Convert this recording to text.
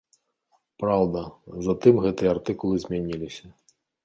Праўда, затым гэтыя артыкулы змяніліся.